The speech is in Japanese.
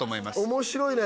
面白いね